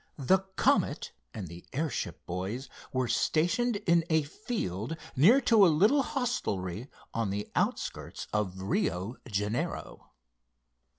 The Comet and the airship boys were stationed in a field near to a little hostelry on the outskirts of Rio Janeiro.